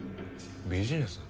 ビジネス？